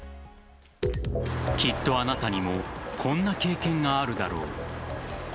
きっとあなたにもこんな経験があるだろう。